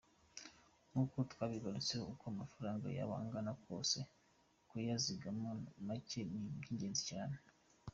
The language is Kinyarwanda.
Nk’uko twabigarutseho, uko amafaranga yaba angana kose, kuyazigamamo macye ni iby’ingenzi cyane.